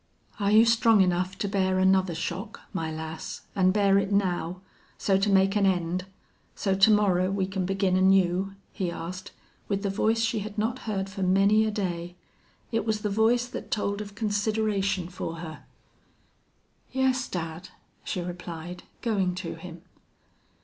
"Are you strong enough to bear another shock, my lass, an' bear it now so to make an end so to morrer we can begin anew?" he asked, with the voice she had not heard for many a day. It was the voice that told of consideration for her. "Yes, dad," she replied, going to him.